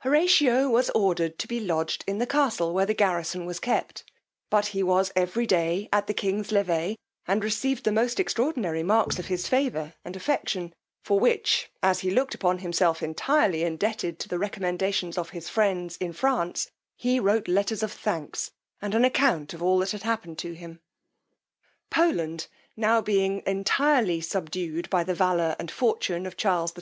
Horatio was ordered to be lodged in the castle where the garrison was kept; but he was every day at the king's levee, and received the most extraordinary marks of his favour and affection; for which, as he looked upon himself entirely indebted to the recommendations of his friends in France, he wrote letters of thanks, and an account of all that happened to him. Poland being now entirely subdued by the valour and fortune of Charles XII.